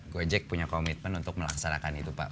gojek punya komitmen untuk melaksanakan itu pak